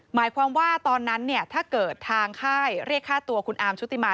หมายความว่าตอนนั้นเนี่ยถ้าเกิดทางค่ายเรียกค่าตัวคุณอาร์มชุติมา